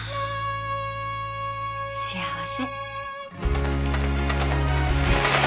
幸せ。